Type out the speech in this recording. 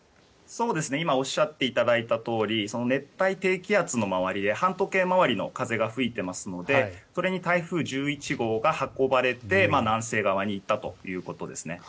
今おっしゃっていただいたとおり熱帯低気圧の周りで反時計回りの風が吹いていますのでこれに台風１１号が運ばれて南西側に行ったということですね。